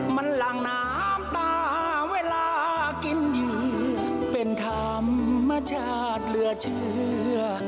มันหลังน้ำตาเวลากินเหยื่อเป็นธรรมชาติเหลือเชื่อ